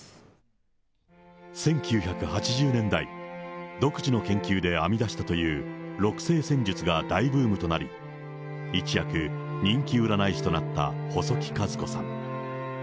１９８０年代、独自の研究で編み出したという六星占術が大ブームとなり、一躍人気占い師となった細木数子さん。